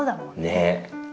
ねえ！